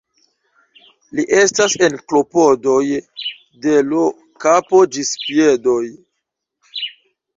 Li estas en klopodoj de l' kapo ĝis piedoj.